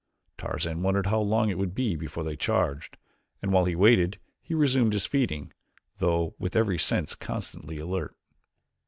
Tarzan wondered how long it would be before they charged and while he waited he resumed his feeding, though with every sense constantly alert.